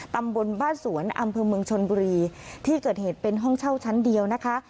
ตำบลบ้านสวนอำเภอเมืองชนบุรีที่เกิดเหตุเป็นห้องเช่าชั้นเดียวนะคะ